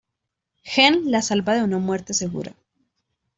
Gen la salva de una muerte segura.